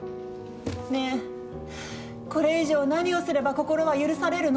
ねえこれ以上何をすれば心は許されるの？